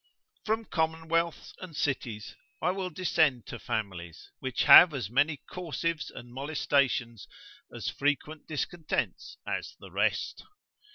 From commonwealths and cities, I will descend to families, which have as many corsives and molestations, as frequent discontents as the rest.